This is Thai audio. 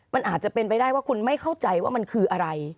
มันอาจจะเป็นไปได้ว่าคุณไม่เข้าใจว่ามันคืออะไร